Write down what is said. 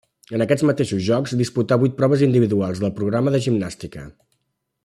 En aquests mateixos Jocs disputà vuit proves individuals del programa de gimnàstica.